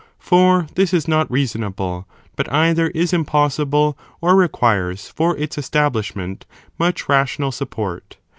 for this is not reasonable, but either is impossible, or requires for its establishment much rational 'support.